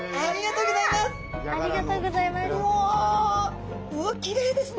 うわきれいですね。